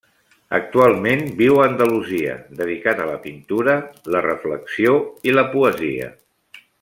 Actualment viu a Andalusia, dedicat a la pintura, la reflexió i la poesia.